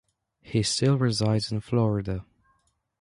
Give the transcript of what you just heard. He still resides in Florida.